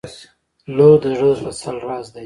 • لور د زړه د تسل راز دی.